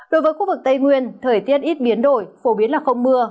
đối với khu vực tây nguyên thời tiết ít biến đổi phổ biến là không mưa